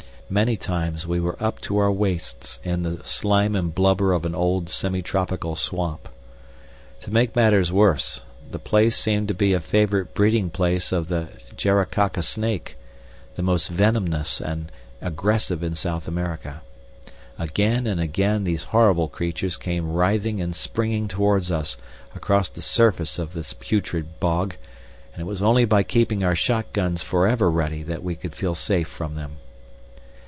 Many times we were up to our waists in the slime and blubber of an old, semi tropical swamp. To make matters worse, the place seemed to be a favorite breeding place of the Jaracaca snake, the most venomous and aggressive in South America. Again and again these horrible creatures came writhing and springing towards us across the surface of this putrid bog, and it was only by keeping our shot guns for ever ready that we could feel safe from them.